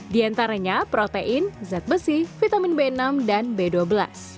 di antaranya protein zat besi vitamin b enam dan b dua belas